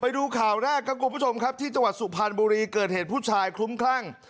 ดูข่าวแรกครับคุณผู้ชมครับที่จังหวัดสุพรรณบุรีเกิดเหตุผู้ชายคลุ้มคลั่ง